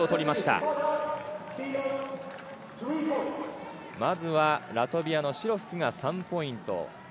まずはラトビアのシロフスが３ポイント。